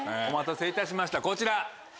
お待たせいたしましたこちら！